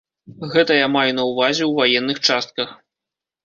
Гэта я маю на ўвазе ў ваенных частках.